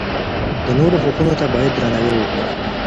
د نورو حقونو ته بايد درناوی وکړو.